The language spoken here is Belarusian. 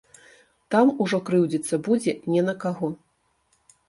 Там ужо крыўдзіцца будзе не на каго.